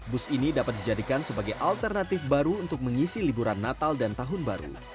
bus ini dapat dijadikan sebagai alternatif baru untuk mengisi liburan natal dan tahun baru